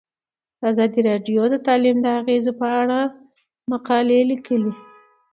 ازادي راډیو د تعلیم د اغیزو په اړه مقالو لیکلي.